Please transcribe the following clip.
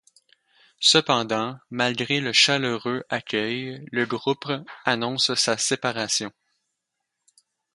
Cependant, malgré le chaleureux accueil, le groupe annonce sa séparation.